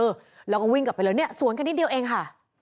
แล้วก็วิ่งกลับไปเลยเนี่ยสวนกันนิดเดียวเองค่ะ